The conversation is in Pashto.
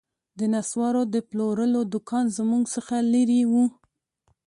د نسوارو د پلورلو دوکان زموږ څخه لیري و